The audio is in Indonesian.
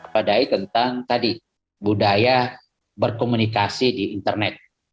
padai tentang tadi budaya berkomunikasi di internet